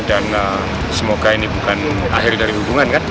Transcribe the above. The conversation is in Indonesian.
dan semoga ini bukan akhir dari hubungan kan